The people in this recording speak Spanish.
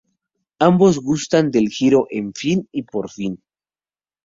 Ambos gustan del giro "en fin" y "por fin".